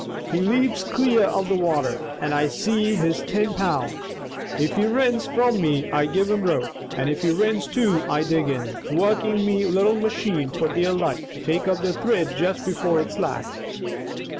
He leps clear of the water and I see he's tin pound. If he rins from me, I give him rope, and if he rins to, I dig in, workin' me little machane for dear life to take up the thrid before it slacks.